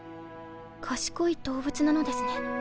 賢い動物なのですね。